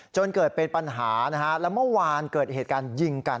จนเกิดเป็นปัญหานะฮะแล้วเมื่อวานเกิดเหตุการณ์ยิงกัน